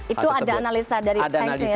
itu ada analisa dari kain saya sendiri ya